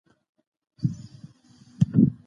تاسي باید په ژوند کي له فرصتونو ګټه واخلئ.